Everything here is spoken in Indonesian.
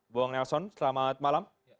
bang nelson selamat malam